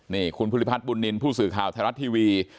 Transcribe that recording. นี่คุณภูริพัฒนบุญนินทร์ผู้สื่อข่าวไทยรัฐทีวี